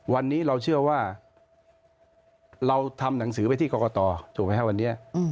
วันนี้เราเชื่อว่าเราทำหนังสือไปที่กรกตถูกไหมครับวันนี้